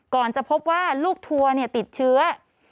จะพบว่าลูกทัวร์ติดเชื้อ